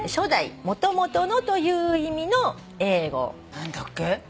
何だっけ？